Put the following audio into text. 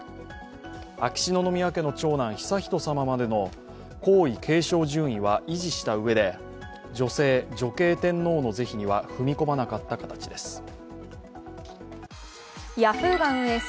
秋篠宮家の長男・悠仁さままでの皇位継承順位は維持したうえで、女性・女系天皇の是非には踏み込まなかった形です。